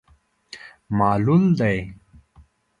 معلول دی.